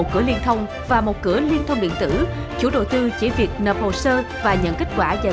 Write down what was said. cửa liên thông và một cửa liên thông điện tử chủ đầu tư chỉ việc nộp hồ sơ và nhận kết quả giải